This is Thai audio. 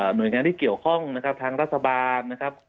หน่วยงานที่เกี่ยวข้องทางรัฐสบาล